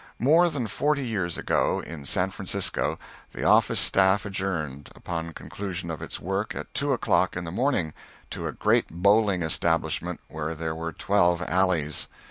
More than forty years ago, in San Francisco, the office staff adjourned, upon conclusion of its work at two o'clock in the morning, to a great bowling establishment where there were twelve alleys.